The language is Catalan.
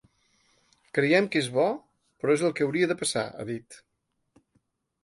“Creiem que és bo, però és el que hauria de passar”, ha dit.